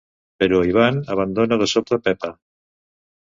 Però Ivan abandona de sobte Pepa.